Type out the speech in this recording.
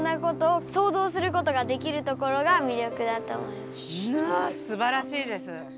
まあすばらしいです。